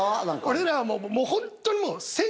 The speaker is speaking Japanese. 俺らはホントにもう。